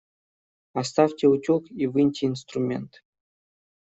Оставьте утюг и выньте инструмент.